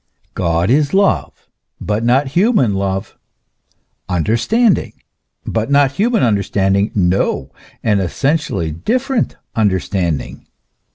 God is Love, but not human love ; Understanding, but not human understanding, no ! an essentially different under standing.